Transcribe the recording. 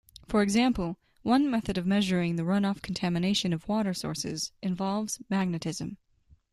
For example, one method of measuring the runoff contamination of water sources involves magnetism.